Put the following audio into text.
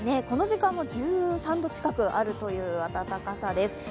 この時間も１３度近くあるという暖かさです。